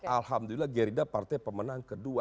alhamdulillah gerida partai pemenang kedua